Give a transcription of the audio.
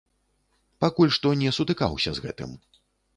Пакуль што не сутыкаўся з гэтым.